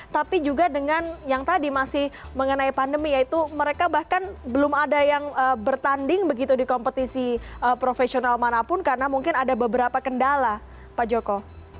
tapi juga dengan yang tadi masih mengenai pandemi yaitu mereka bahkan belum ada yang bertanding begitu di kompetisi profesional manapun karena mungkin ada beberapa kendala pak joko